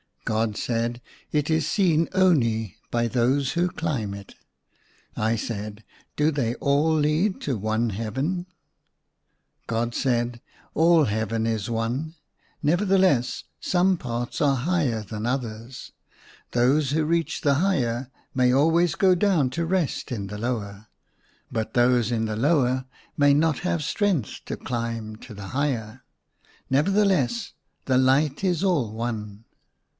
God said, "It is seen only by those who climb it." I said, " Do they all lead to one heaven }" God said, " All Heaven is one : nevertheless some parts are higher than others ; those who reach the higher may always go down to rest in the lower ; but those in the lower may not have strength to climb to the i6o THE SUNLIGHT LA Y higher ; nevertheless the h'ght is all one.